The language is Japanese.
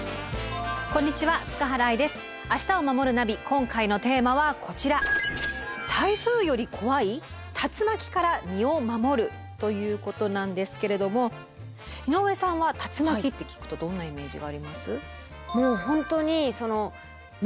今回のテーマはこちら！ということなんですけれども井上さんは竜巻って聞くとどんなイメージがあります？